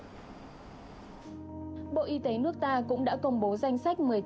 ủy ban tiêu chế nước ta cũng đã công bố danh sách